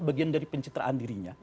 bagian dari pencitraan dirinya